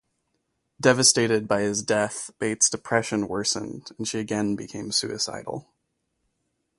Devastated by his death, Bates' depression worsened and she again became suicidal.